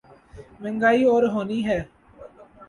مہنگائی اور ہونی ہے۔